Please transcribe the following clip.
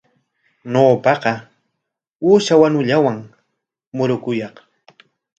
Ñawpaqa uusha wanuwanllam murukuyaq.